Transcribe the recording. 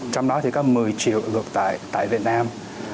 trong đó thì có một mươi triệu ngược tại việt nam